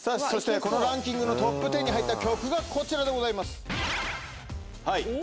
そしてこのランキングのトップ１０に入った曲がこちらでございますはい。